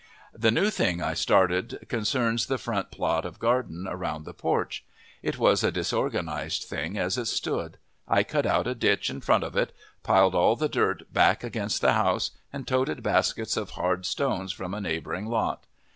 This new thing I started concerns the front plot of garden around the porch. It was a disorganized thing as it stood. I cut out a ditch in front of it, piled all the dirt back against the house and toted baskets of hard stones from a neighboring lot.